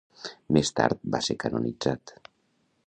Més tard va ser canonitzat.